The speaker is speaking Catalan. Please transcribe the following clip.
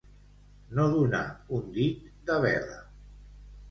No donar un dit de vela.